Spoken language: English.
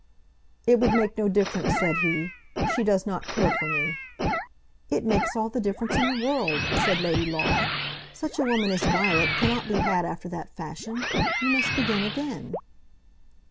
"It would make no difference," said he. "She does not care for me." "It makes all the difference in the world," said Lady Laura. "Such a woman as Violet cannot be had after that fashion. You must begin again."